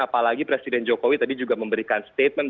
apalagi presiden jokowi tadi juga memberikan statement